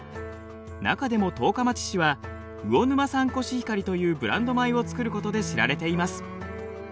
中でも十日町市は魚沼産コシヒカリというブランド米を作ることで知られています。